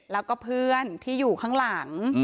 แล้วก็เพื่อนที่อยู่ข้างหลัง